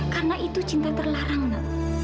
karena itu cinta terlarang ma